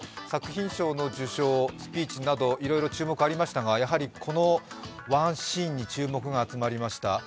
作品賞の受賞、スピーチなどいろいろ注目ありましたが、やはり、このワンシーンに注目が集まりました。